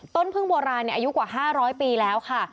พึ่งโบราณอายุกว่า๕๐๐ปีแล้วค่ะ